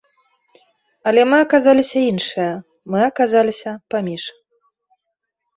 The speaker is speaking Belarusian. Але мы аказаліся іншыя, мы аказаліся паміж.